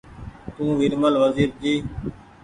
تو ويرمل وزير جي